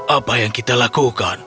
apa yang kita lakukan